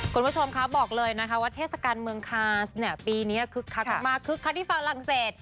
คุณผู้ชมคะบอกเลยนะคะว่าเทศกาลเมืองคาสเนี่ยปีนี้คึกคักมากคึกคักที่ฝรั่งเศส